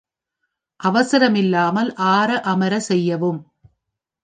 அவசரமில்லாமல் ஆர அமர செய்யவும்.